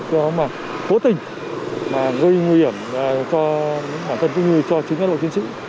cố tình gây nguy hiểm cho bản thân cũng như cho chính các đội chiến sĩ